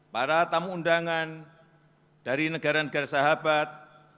para tamu undangan dari negara negara sahabat